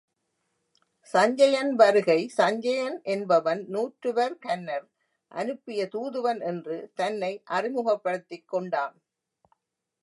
சஞ்சயன் வருகை சஞ்சயன் என்பவன் நூற்றுவர் கன்னர் அனுப்பிய தூதுவன் என்று தன்னை அறிமுகப்படுத்திக் கொண்டான்.